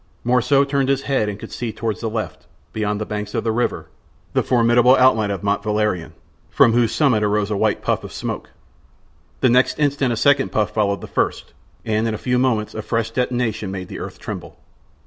Morissot turned his head and could see toward the left, beyond the banks of the river, the formidable outline of Mont Valerien, from whose summit arose a white puff of smoke. The next instant a second puff followed the first, and in a few moments a fresh detonation made the earth tremble.